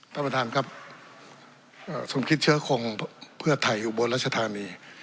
ท่านประธานครับสมคิดเชื้อคงเพื่อไทยอยู่บนรัชธานี